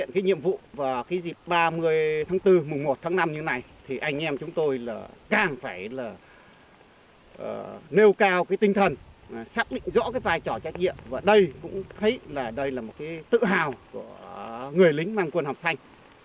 đây là một cái tự hào của người lính và quân học sinh